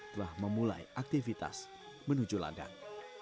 telah memulai aktivitas menuju ladang